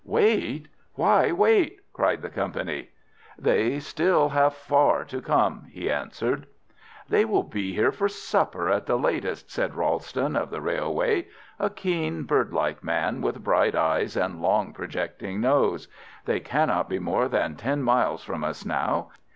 "Wait! Why wait?" cried the company. "They have still far to come," he answered. "They will be here for supper at the latest," said Ralston, of the railway—a keen, birdlike man, with bright eyes and long, projecting nose. "They cannot be more than ten miles from us now.